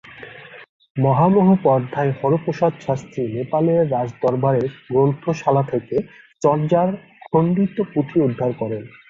মহামহোপাধ্যায় হরপ্রসাদ শাস্ত্রী নেপালের রাজদরবারের গ্রন্থশালাথেকে চর্যার খণ্ডিত পুঁথি উদ্ধার করেন।